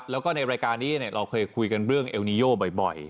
แล้วก็ในรายการนี้เราเคยคุยกันเรื่องเอลนิโยบ่อย